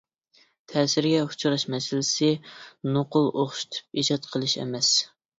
تەسىرگە ئۇچراش مەسىلىسى نوقۇل ئوخشىتىپ ئىجاد قىلىش ئەمەس.